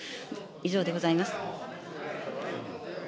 以上でございます。